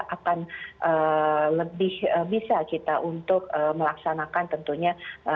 akan lebih bisa kita untuk melaksanakan tentunya